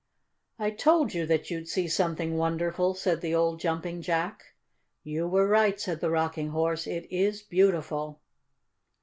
"I told you that you'd see something wonderful," said the old Jumping Jack. "You were right," said the Rocking Horse. "It is beautiful!"